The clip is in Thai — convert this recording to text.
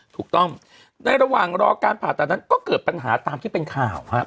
ถูกต้องในระหว่างรอไปก็เกิดปัญหาตามที่เป็นข่าวครับ